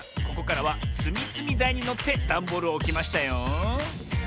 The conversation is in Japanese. ここからはつみつみだいにのってダンボールをおきましたよ。